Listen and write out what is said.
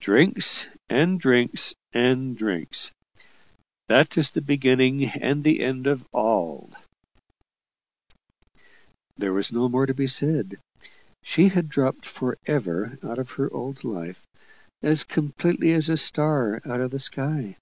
"Drinks and drinks and drinks. That is the beginning and the end of all." There was no more to be said. She had dropped for ever out of her old life, as completely as a star out of the sky.